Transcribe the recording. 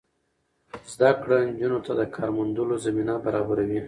زده کړه نجونو ته د کار موندلو زمینه برابروي.